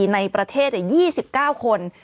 ในประเทศ๒๙คน